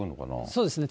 そうですね。